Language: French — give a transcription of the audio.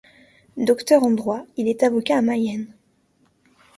Docteur en droit, il est avocat à Mayenne.